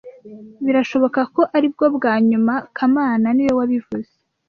Birashoboka ko aribwo bwa nyuma kamana niwe wabivuze